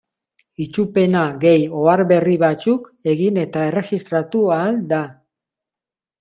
Itzulpena gehi ohar berri batzuk egin eta erregistratu ahal da.